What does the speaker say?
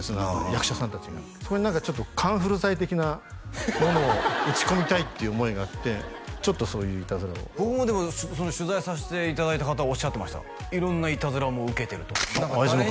役者さん達がそこに何かカンフル剤的なものを打ち込みたいっていう思いがあってちょっとそういうイタズラを僕も取材させていただいた方おっしゃってました色んなイタズラも受けてると相島一之